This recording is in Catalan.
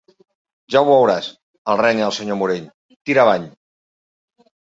Ja ho veuràs —el renya el senyor Morell—, tira avall.